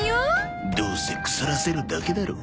どうせ腐らせるだけだろう。